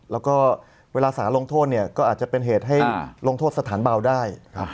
แล้วก็เวลาสารลงโทษเนี่ยก็อาจจะเป็นเหตุให้ลงโทษสถานเบาได้